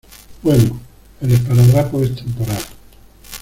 bueno, el esparadrapo es temporal ;